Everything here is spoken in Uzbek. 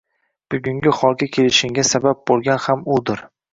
Bugungi holga kelishingga, sabab bo'lgan ham udir.